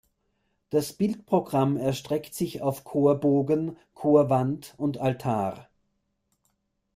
Das Bildprogramm erstreckt sich auf Chorbogen, Chorwand und Altar.